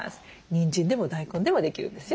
にんじんでも大根でもできるんですよ。